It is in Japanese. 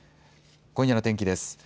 今夜の天気です。